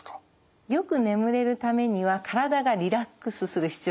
よく眠れるためには体がリラックスする必要がある。